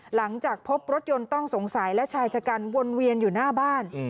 หลังจากพบรถยนต์ต้องสงสัยและชายชะกันวนเวียนอยู่หน้าบ้าน